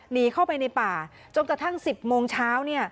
หนีเข้าไปในป่าจนกระทั่ง๑๐โมงเช้า